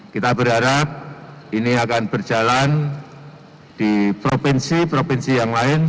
kita berharap ini akan berjalan di provinsi provinsi yang lain